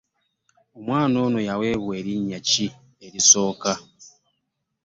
Omwana ono yaweebwa linnya ki okusooka?